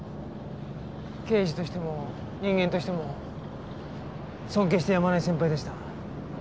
刑事としても人間としても尊敬してやまない先輩でした。